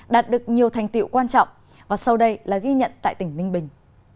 đạt được nhiều thành tiệu quan trọng và sau đây là ghi nhận tại tỉnh ninh bình